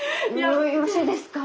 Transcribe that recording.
よろしいですか？